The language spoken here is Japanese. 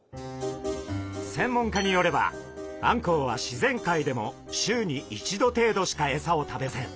専門家によればあんこうは自然界でも週に１度程度しかエサを食べません。